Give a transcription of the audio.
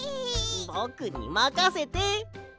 ぼくにまかせて！